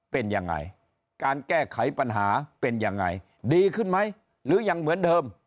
เป็นยังไงการแก้ไขปัญหาเป็นยังไงดีขึ้นไหมหรือยังเหมือนเดิม